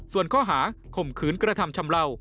ส่วนข้อหาข่มขืนกระทำชำเลา